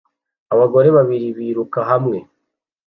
Abagore babiri biruka hamwe